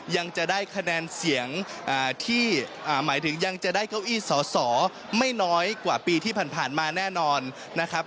ยังจะได้คะแนนเสียงที่หมายถึงยังจะได้เก้าอี้สอสอไม่น้อยกว่าปีที่ผ่านมาแน่นอนนะครับ